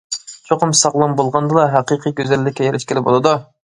چوقۇم ساغلام بولغاندىلا ھەقىقىي گۈزەللىككە ئېرىشكىلى بولىدۇ.